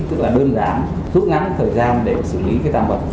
tức là đơn giản thuốc ngắn thời gian để xử lý cái tạm vật